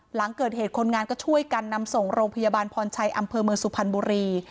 หลังเกิดเหตุคนงานก็ช่วยกันนำส่งโรงพยาบาลพรชัยอำเภอเมืองสุพรรณบุรี